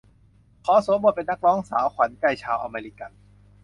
ขอสวมบทเป็นนักร้องสาวขวัญใจชาวอเมริกัน